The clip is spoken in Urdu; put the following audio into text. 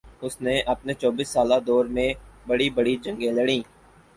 اس نے اپنے چوبیس سالہ دور میں بڑی بڑی جنگیں لڑیں